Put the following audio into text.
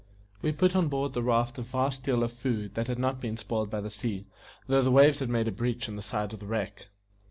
We put on board the raft a vast deal of food that had not been spoiled by the sea, though the waves had made a breach in the sides of the wreck.